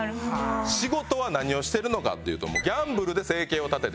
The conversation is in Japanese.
仕事は何をしてるのかっていうとギャンブルで生計を立ててます。